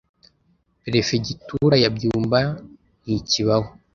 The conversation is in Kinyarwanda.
perefegitura ya byumba ntikibaho